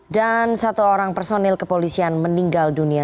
dan satu orang personil kepolisian meninggal dunia